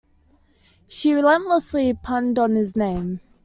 She relentlessly punned on his name.